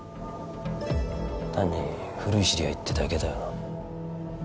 単に古い知り合いってだけだよな？